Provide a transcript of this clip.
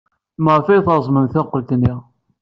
Maɣef ay treẓmem tankult-nni?